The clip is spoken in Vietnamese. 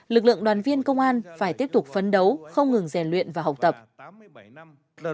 lực lượng đoàn viên công an phải tiếp tục phấn đấu không ngừng rèn luyện và học tập